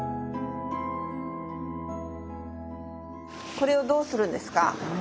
これをどうするんですか？